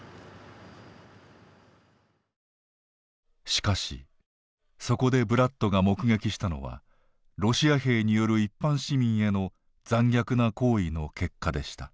しかしそこでブラッドが目撃したのはロシア兵による一般市民への残虐な行為の結果でした。